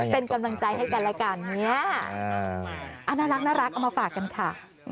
เป็นกำลังใจให้กันแล้วกันเนี่ยน่ารักเอามาฝากกันค่ะ